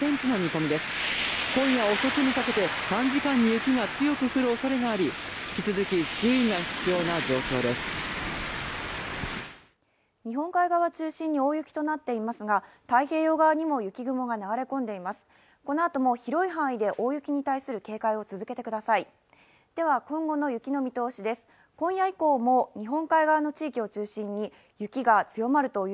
このあとも広い範囲で大雪に対する警戒を続けてください。